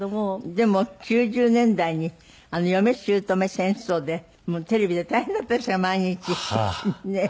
でも９０年代に嫁姑戦争でテレビで大変だったじゃないですか毎日ねえ。